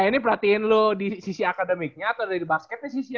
eh ini perhatiin lo di sisi akademiknya atau dari basketnya sih sih ya